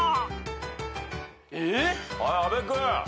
はい阿部君。